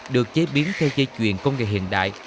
được chế biến theo dây chuyền công nghệ hiện đại